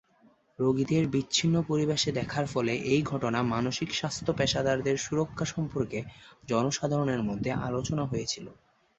রোগীদের বিচ্ছিন্ন পরিবেশে দেখার ফলে এই ঘটনা মানসিক স্বাস্থ্য পেশাদারদের সুরক্ষা সম্পর্কে জনসাধারণের মধ্যে আলোচনা হয়েছিল।